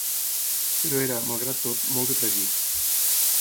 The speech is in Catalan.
Però era, malgrat tot, molt de tragí.